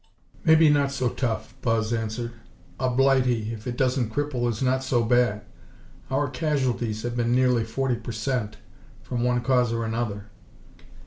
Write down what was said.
"Maybe not so tough," Buzz answered. "A Blighty, if it doesn't cripple, is not so bad. Our casualties have been nearly forty per cent, from one cause or another."